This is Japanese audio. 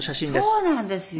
そうなんですよ。